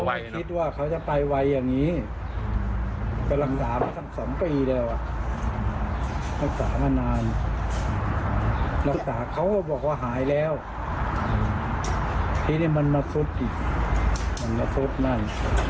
คิดว่าเขาจะไปไวอย่างนี้กำลังด่ามาตั้ง๒ปีแล้วอ่ะรักษามานานรักษาเขาก็บอกว่าหายแล้วทีนี้มันมาซุดอีกมันมาซุดนั่น